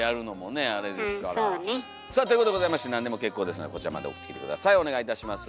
さあということでございまして何でも結構ですのでこちらまで送ってきて下さいお願いいたします。